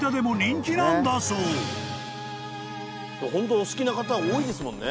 お好きな方多いですもんね。